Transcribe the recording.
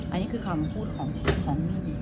อันนี้คือคำพูดของพี่บี